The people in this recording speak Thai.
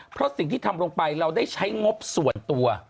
เพราะสิ่งที่ทำลงไปเราได้ใช้งบส่วนตัว